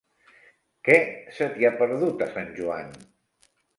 Què se t'hi ha perdut, a Sant Joan?